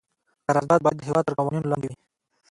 قرارداد باید د هیواد تر قوانینو لاندې وي.